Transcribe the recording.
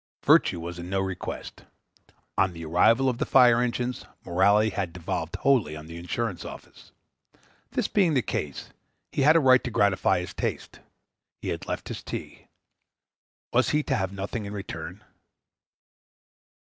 Virtue was in no request. On the arrival of the fire engines, morality had devolved wholly on the insurance office. This being the case, he had a right to gratify his taste. He had left his tea. Was he to have nothing in return?